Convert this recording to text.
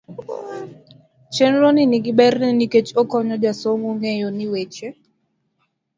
chenro ni ni gi ber ne nikech okonyo jasomo ng'eyo ni weche